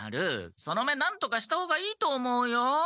その目なんとかした方がいいと思うよ。